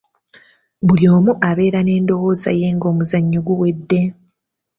Buli omu abeera n'endowooza ye ng'omuzannyo guwedde.